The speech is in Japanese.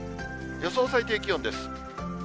予想最低気温です。